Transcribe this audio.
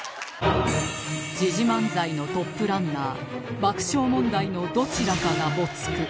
時事漫才のトップランナー爆笑問題のどちらかが没句